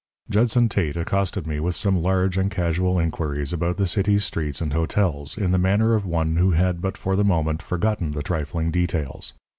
Judson Tate accosted me with some large and casual inquiries about the city's streets and hotels, in the manner of one who had but for the moment forgotten the trifling details.